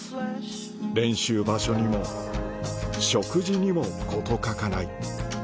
練習場所にも食事にも事欠かない